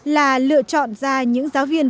là lựa chọn ra những giáo viên